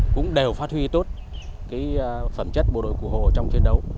cũng đều phát huy tốt phẩm chất bộ đội cụ hồ trong chiến đấu